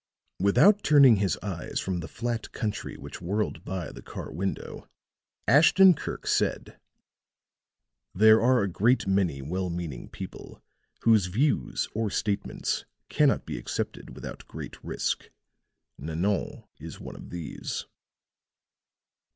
Without turning his eyes from the flat country which whirled by the car window, Ashton Kirk said: "There are a great many well meaning people whose views or statements cannot be accepted without great risk. Nanon is one of these."